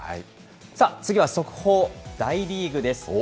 さあ、次は速報、大リーグです。